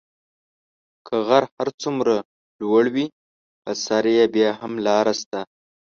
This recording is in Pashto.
که غر هر څومره لوړ وي په سر یې بیا هم لاره شته .